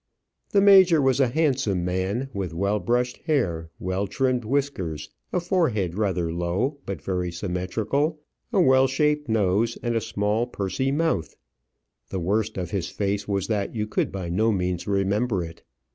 The major was a handsome man, with well brushed hair, well trimmed whiskers, a forehead rather low, but very symmetrical, a well shaped nose, and a small, pursy mouth. The worst of his face was that you could by no means remember it.